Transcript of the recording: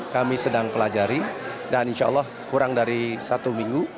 kami sedang pelajari dan insya allah kurang dari satu minggu